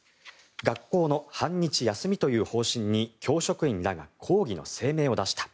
学校の半日休みという方針に教職員らがが抗議の声明を出した。